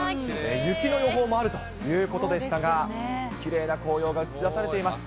雪の予報もあるということでしたが、きれいな紅葉が映し出されています。